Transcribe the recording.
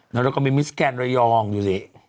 แล้วเราก็มีมิสแกนระยองดูสิ